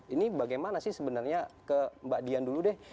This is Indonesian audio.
ini bagaimana sih sebenarnya ke mbak dian dulu deh